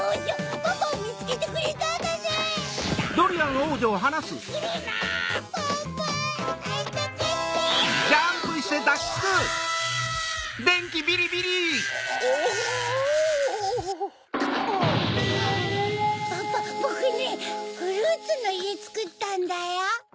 パパぼくねフルーツのいえつくったんだよ。